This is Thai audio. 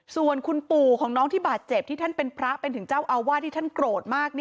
ส่วนคุณปู่ของน้องที่บาดเจ็บที่ท่านเป็นพระเป็นถึงเจ้าอาวาสที่ท่านโกรธมาก